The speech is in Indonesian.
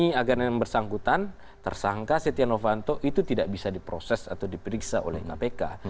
dan merintangi agar yang bersangkutan tersangka setia novanto itu tidak bisa diproses atau diperiksa oleh kpk